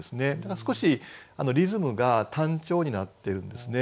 少しリズムが単調になってるんですね。